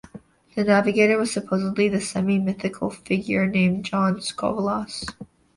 The navigator was supposedly the semi-mythical figure named John Scolvus.